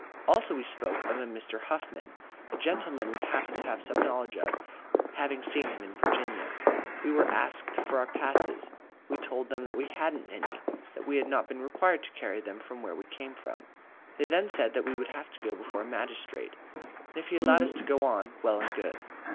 Also we spoke of a Mr. Houghman, a gentleman we happened to have some knowledge of, having seen him in Virginia. We were next asked for our passes. We told them that we hadn't any, that we had not been required to carry them where we came from. They then said that we would have to go before a magistrate, and if he allowed us to go on, well and good.